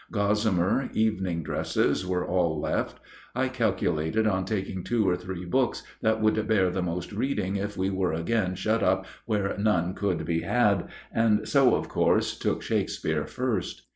Gossamer evening dresses were all left. I calculated on taking two or three books that would bear the most reading if we were again shut up where none could be had, and so, of course, took Shakspere first.